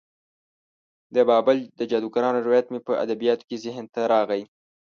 د بابل د جادوګرانو روایت مې په ادبیاتو کې ذهن ته راغی.